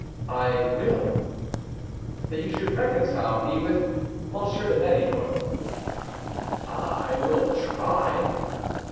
"I will." "That you should reconcile me with M. de Méridor." "I will try."